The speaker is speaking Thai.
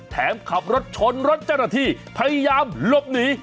ขับรถชนรถเจ้าหน้าที่พยายามหลบหนี